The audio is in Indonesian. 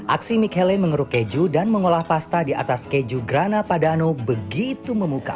aksi michele mengeruk keju dan mengolah pasta di atas keju grana padano begitu memuka